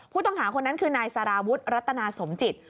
ผู้ต้องหาคนนั้นคือนายสารวุฒิรัตนาสมจิต